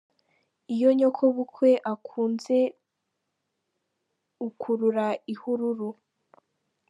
Iyo nyokobukwe akunze ukurura ihururu.